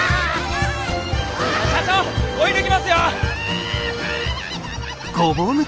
社長追い抜きますよ！